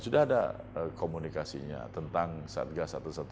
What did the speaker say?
sudah ada komunikasinya tentang satga satu ratus lima belas